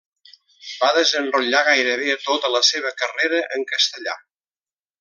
Va desenrotllar gairebé tota la seva carrera en castellà.